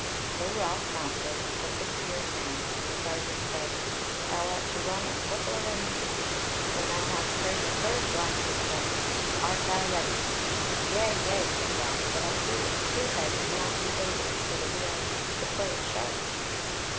So Ralph mounted and took the spear in hand; and the sergeant said: "Thou art to run at whatsoever meeteth thee when thou hast heard the third blast of the horn. Art thou ready?" "Yea, yea," said Ralph; "but I see that the spear head is not rebated, so that we are to play at sharps."